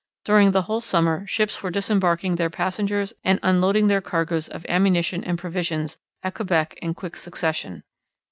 During the whole summer ships were disembarking their passengers and unloading their cargoes of ammunition and provisions at Quebec in quick succession.